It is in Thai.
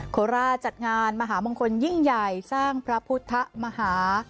โคราชจัดงานมหามงคลยิ่งใหญ่สร้างพระพุทธมหา